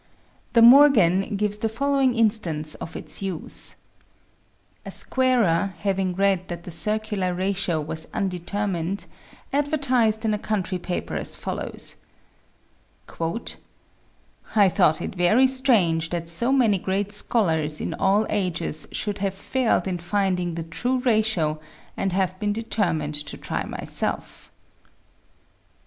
De Morgan gives the following instance of its use : A squarer, having read that the circular ratio was undeter mined, advertised in a country paper as follows: "I thought it very strange that so many great scholars in all ages should have failed in finding the true ratio and have been determined to try myself."